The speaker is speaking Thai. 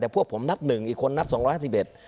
แต่พวกผมนับหนึ่งอีกคนนับสองร้อยห้าสิบเอ็ด